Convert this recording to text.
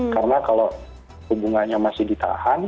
karena kalau suku bunganya masih ditahan